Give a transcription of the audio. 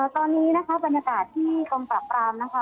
ตอนนี้นะคะบรรยากาศที่กองปราบรามนะคะ